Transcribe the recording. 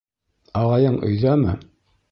— Ағайың өйҙәме?